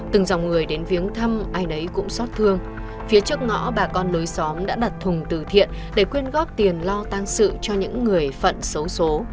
từng dòng người đến viếng thăm ai nấy cũng xót thương phía trước ngõ bà con lối xóm đã đặt thùng từ thiện để quyên góp tiền lo tan sự cho những người phận xấu xố